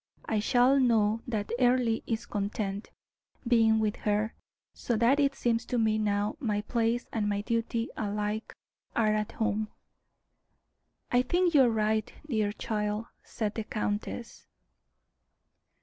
I shall know that Earle is content, being with her; so that it seems to me now my place and my duty alike are at home." "I think you are right, dear child," said the countess.